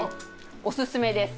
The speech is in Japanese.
おすすめです。